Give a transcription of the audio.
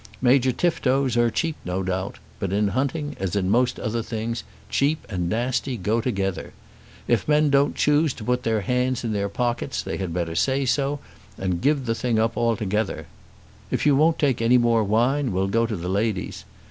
Major Tiftos are cheap no doubt; but in hunting, as in most other things, cheap and nasty go together. If men don't choose to put their hands in their pockets they had better say so, and give the thing up altogether. If you won't take any more wine, we'll go to the ladies.